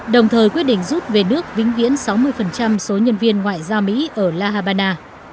đồng thời quyết định rút về nước vĩnh viễn sáu mươi số nhân viên ngoại giao mỹ ở la habana